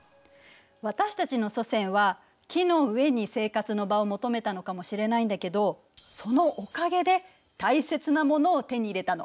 私たちの祖先は木の上に生活の場を求めたのかもしれないんだけどそのおかげで大切なものを手に入れたの。